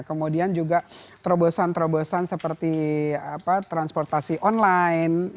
kemudian juga terobosan terobosan seperti transportasi online